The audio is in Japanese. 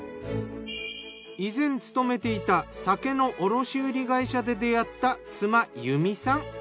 以前勤めていた酒の卸売り会社で出会った妻由美さん。